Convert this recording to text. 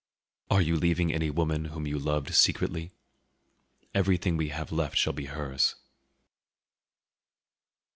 Are you leaving any woman whom you loved secretly? Everything we have left shall be hers."